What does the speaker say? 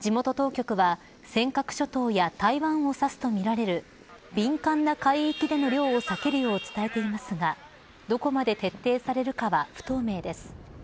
地元当局は尖閣諸島や台湾を指すとみられる敏感な海域での漁を避けるよう伝えていますがどこまで徹底されるかは不透明です。